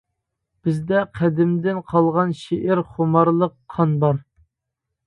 بىزدە قەدىمدىن قالغان شېئىر خۇمارلىق قان بار.